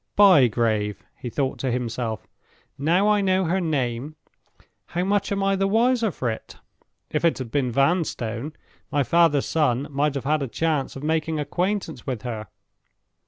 "Bygrave?" he thought to himself. "Now I know her name, how much am I the wiser for it! If it had been Vanstone, my father's son might have had a chance of making acquaintance with her."